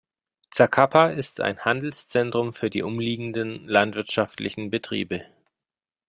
Zacapa ist ein Handelszentrum für die umliegenden landwirtschaftlichen Betriebe.